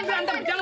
gak ada lagi